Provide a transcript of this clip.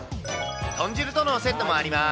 豚汁とのセットもあります。